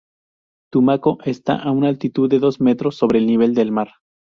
Tumaco está a una altitud de dos metros sobre el nivel del mar.